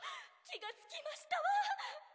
気が付きましたわ！